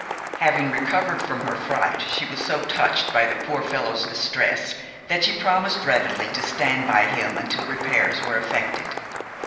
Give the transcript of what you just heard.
Having recovered from her fright she was so touched by the poor fellow's distress that she promised readily to stand by him until repairs were effected.